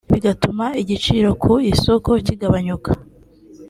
bigatuma igiciro ku isoko kigabanuka